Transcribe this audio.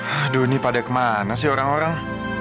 aduh ini pada kemana sih orang orang